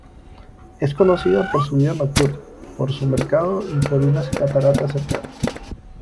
Es conocida por su vida nocturna, por su mercado y por unas cataratas cercanas.